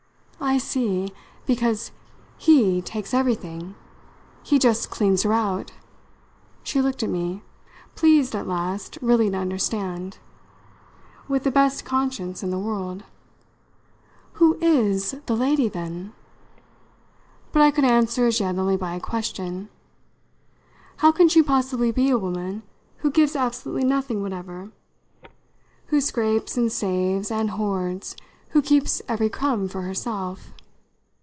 "I see because he takes everything. He just cleans her out." She looked at me pleased at last really to understand with the best conscience in the world. "Who is the lady then?" But I could answer as yet only by a question. "How can she possibly be a woman who gives absolutely nothing whatever; who scrapes and saves and hoards; who keeps every crumb for herself?